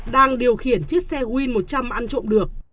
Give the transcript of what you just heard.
đang điều khiển chiếc xe win một trăm linh ăn trộm được